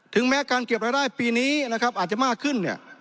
ถึงแม้การเก็บรายได้ปีนี้อาจจะมากขึ้น